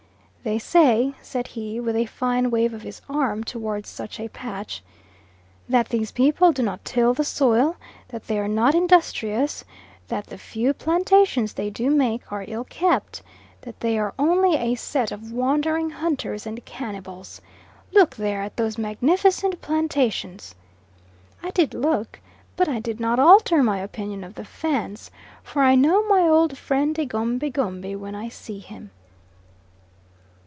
"They say," said he, with a fine wave of his arm towards such a patch, "that these people do not till the soil that they are not industrious that the few plantations they do make are ill kept that they are only a set of wandering hunters and cannibals. Look there at those magnificent plantations!" I did look, but I did not alter my opinion of the Fans, for I know my old friend egombie gombie when I see him.